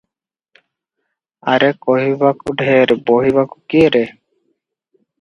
ଆରେ କହିବାକୁ ଢେର, ବହିବାକୁ କିଏ ରେ?